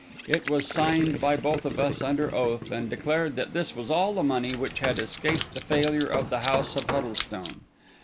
It was signed by both of us under oath, and declared that this was all the money which had escaped the failure of the house of Huddlestone.